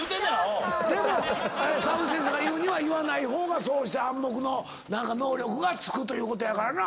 でも澤口先生が言うには言わない方がそうした暗黙の能力がつくということやからな。